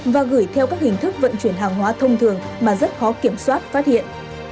và gửi theo các hình thức vận chuyển hàng hóa thông thường mà rất khó kiểm soát phát hiện